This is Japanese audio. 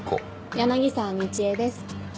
柳沢美知恵です。